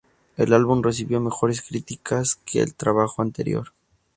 El álbum recibió mejores críticas que el trabajo anterior.